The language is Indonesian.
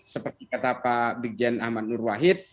seperti kata pak brigjen ahmad nur wahid